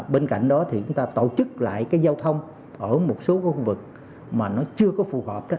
bên cạnh đó thì chúng ta tổ chức lại cái giao thông ở một số khu vực mà nó chưa có phù hợp